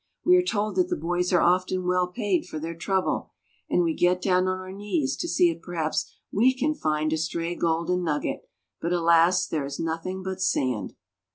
We are told that the boys are often well paid for their trouble, and we get down on our knees to see if perhaps we can find a stray golden nugget, but, alas ! there is nothing but sand.